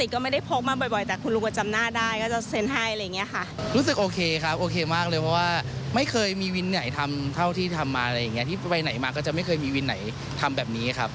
ก็จะไม่เคยมีวินไหนทำแบบนี้ครับ